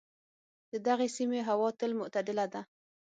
د دغې سیمې هوا تل معتدله ده.